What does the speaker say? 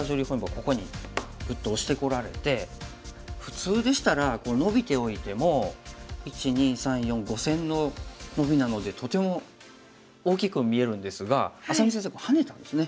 ここに打ってオシてこられて普通でしたらこうノビておいても１２３４５線のノビなのでとても大きく見えるんですが愛咲美先生ハネたんですね。